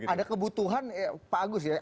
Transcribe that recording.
ada kebutuhan pak agus ya